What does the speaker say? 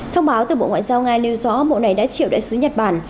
thông báo từ bộ ngoại giao nga lưu rõ mộ này đã chịu đại sứ nhật bản